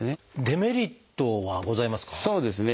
デメリットはございますか？